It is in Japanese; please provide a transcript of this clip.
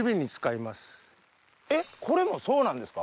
えっこれもそうなんですか？